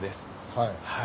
はい。